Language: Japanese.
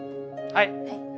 はい。